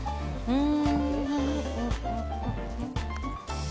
うん。